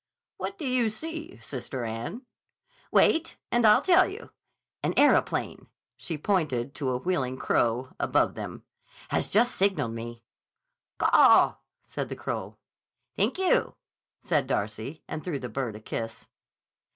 "What do you see, Sister Anne?" "Wait and I'll tell you. An aeroplane"—she pointed to a wheeling crow above them—"has just signaled me—" ("Caw," said the crow; "Thank you," said Darcy and threw the bird a kiss.)